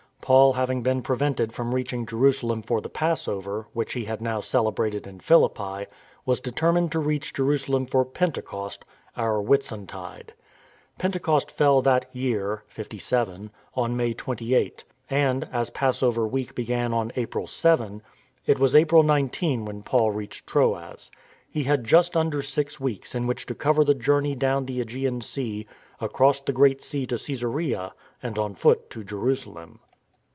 Paul having been prevented from reach ing Jerusalem for the Passover, which he had now celebrated in Philippi, was determined to reach Jeru salem for Pentecost (our Whitsuntide). Pente cost fell that year (57) on May 28; and, as Passover 274 STORM AND STRESS week began on April 7, it was April 19 when Paul reached Troas. He had just under six weeks in which to cover the journey down the ^gean Sea, across the Great Sea to Csesarea and on foot to [Jerusalem.